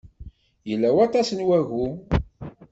Yella waṭas n wagu.